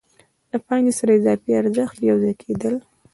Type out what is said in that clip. له پانګې سره د اضافي ارزښت یو ځای کېدل